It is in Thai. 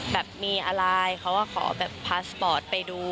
แบบมีอะไรเขาก็ขอแบบพาสปอร์ตไปดู